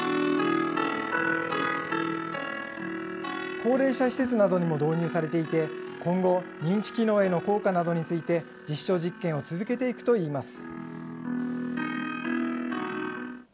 高齢者施設などにも導入されていて、今後、認知機能への効果などについて、実証実験を続けていくといいます。